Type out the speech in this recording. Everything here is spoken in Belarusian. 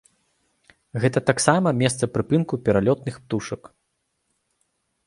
Гэта таксама месца прыпынку пералётных птушак.